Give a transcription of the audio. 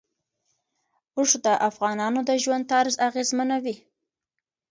اوښ د افغانانو د ژوند طرز اغېزمنوي.